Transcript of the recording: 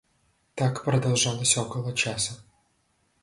Так продолжалось около часа.